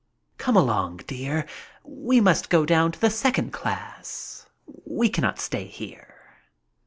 "Come along, dear, we must go down to the second class. We cannot stay here."